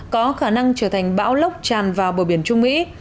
có khả năng trở thành bão lốc tràn vào bờ biển trung mỹ